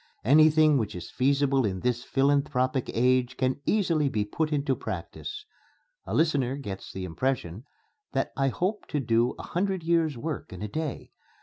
Anything which is feasible in this philanthropic age can easily be put into practice.... A listener gets the impression that I hope to do a hundred years' work in a day.